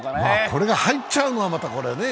これが入っちゃうのが、またこれね。